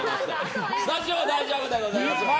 スタジオは大丈夫でございます。